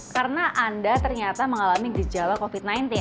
karena anda ternyata mengalami gejala covid sembilan belas